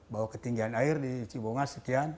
bahwa ketinggian air di cibunga sekian